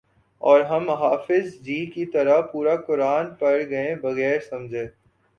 اور ہم حافظ جی کی طرح پورا قرآن پڑھ گئے بغیر سمجھے